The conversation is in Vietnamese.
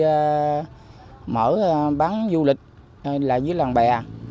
vừa nuôi mở bán du lịch lại với bạn bè